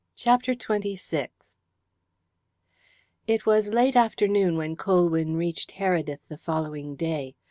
CHAPTER XXVI It was late afternoon when Colwyn reached Heredith the following day.